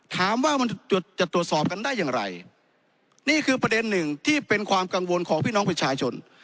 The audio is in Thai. ถามว่ามันจะจะตรวจสอบกันได้อย่างไรนี่คือประเด็นหนึ่งที่เป็นความกังวลของพี่น้องประชาชน